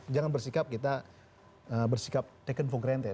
jangan bersikap kita bersikap taken for granted